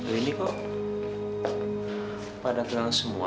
singkir dengan kita